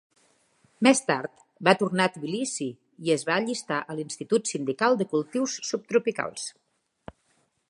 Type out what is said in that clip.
Més tard, va tornar a Tbilisi i es va allistar a l'Institut Sindical de Cultius Subtropicals.